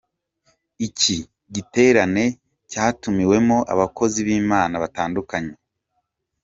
Iki giterane cyatumiwemo abakozi b'Imana batandukanye ndetse